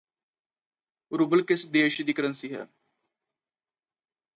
rouble ਕਿਸ ਦੇਸ਼ ਦੀ ਕਰੰਸੀ ਹੈ